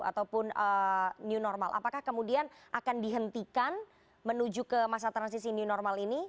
ataupun new normal apakah kemudian akan dihentikan menuju ke masa transisi new normal ini